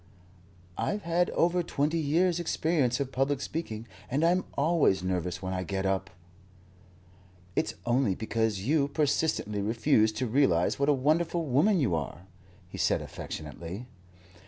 "I've had over twenty years' experience of public speaking, and I'm always nervous when I get UP." "It's only because you persistently refuse to realize what a wonderful woman you are," he said affectionately.